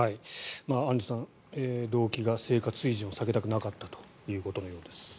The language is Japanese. アンジュさん、動機が生活水準を下げたくなかったということのようです。